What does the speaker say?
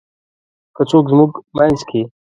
که څوک زمونږ مينځ کې :